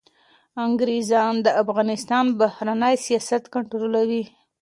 انګریزان د افغانستان بهرنی سیاست کنټرولوي.